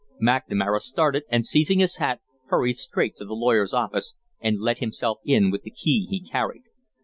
McNamara started, and, seizing his hat, hurried straight to the lawyer's office and let himself in with the key he carried.